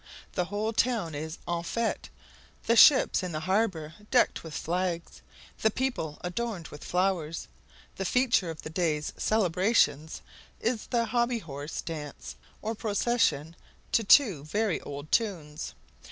The whole town is en fete, the ships in the harbour decked with flags, the people adorned with flowers. The feature of the day's celebrations is the Hobby Horse Dance, or procession, to two very old tunes.